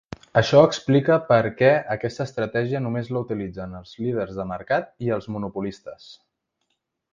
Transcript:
Això explica per què aquesta estratègia només la utilitzen els líders de mercat i els monopolistes.